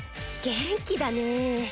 元気だね。